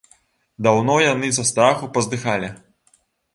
Даўно яны са страху паздыхалі.